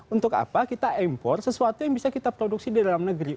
untuk apa kita impor sesuatu yang bisa kita produksi di dalam negeri